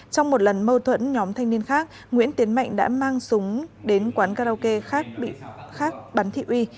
trong một lần mâu thuẫn nhóm thanh niên khác nguyễn tiến mạnh đã mang súng đến quán karaoke khác bắn thị uy